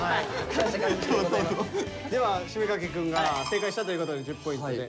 では七五三掛くんが正解したということで１０ポイントで。